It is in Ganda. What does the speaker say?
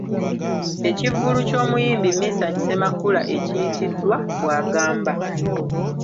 Ekivvulu ky’omuyimbi Mesach Ssemakula ekiyitiddwa, ‘Bwagamba’.